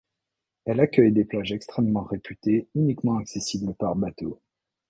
Elle accueille des plages extrêmement réputées uniquement accessibles par bateau.